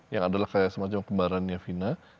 yang adalah kayak semacam kembarannya vina